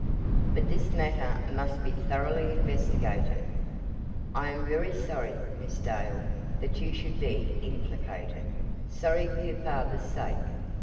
But this matter must be thoroughly investigated. I am very sorry, Miss Dale, that you should be implicated, sorry for your father's sake.